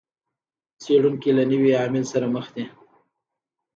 څېړونکي له نوي عامل سره مخ دي.